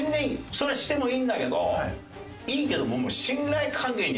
そりゃしてもいいんだけどいいけどももう。